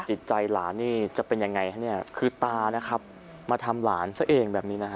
จิตใจหลานนี่จะเป็นยังไงฮะเนี่ยคือตานะครับมาทำหลานซะเองแบบนี้นะฮะ